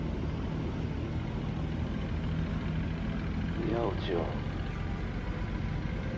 いいやお千代。